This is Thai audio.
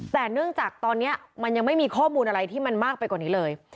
แต่เนื่องจากตอนนี้มันยังไม่มีข้อมูลอะไรที่มันมากไปกว่านี้เลย